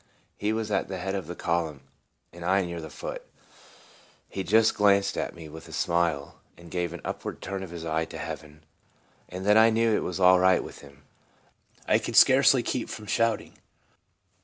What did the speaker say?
He was at the head of the column, and I near the foot ; he just glanced at me with a smile, and gave an upward turn of his eye to heaven, and then I 5 34 TRANSFORMED. knew it was all right with him. I could scarcely keep from shouting.